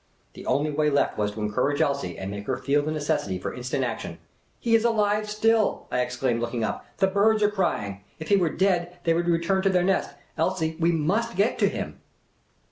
The only way left was to encourage Elsie and make her feel the neces sity for instant action. " He is alive still," I exclaimed, looking up ;" the birds are crying ! If he were dead, they would return to their nest — Elsie, we must get to him